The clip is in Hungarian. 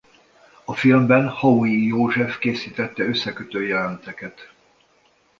A filmben Haui József készítette összekötő jelenteket.